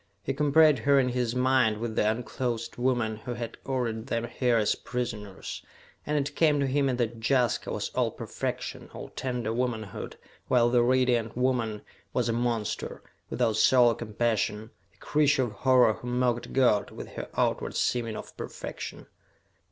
He compared her in his mind with the unclothed woman who had ordered them here as prisoners, and it came to him that Jaska was all perfection, all tender womanhood, while the Radiant Woman was a monster, without soul or compassion a creature of horror who mocked God with her outward seeming of perfection.